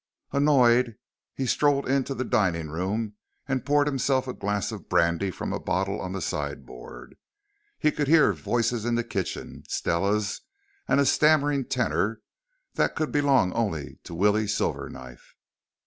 Annoyed, he strolled into the dining room and poured himself a glass of brandy from a bottle on the sideboard. He could hear voices in the kitchen Stella's and a stammering tenor that could belong only to Willie Silverknife.